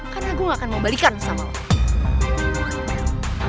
karena gue ga akan mau balikan sama lo